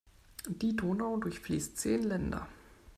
Die Donau durchfließt zehn Länder.